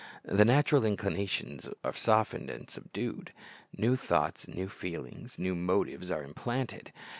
The natural inclinations are sof tened and subdued. New thoughts, new feelings, new •motives, are implanted.